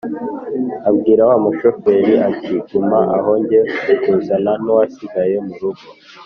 abwira wa mushoferi ati:"guma aho njye kuzana n'uwasigaye mu rugo!".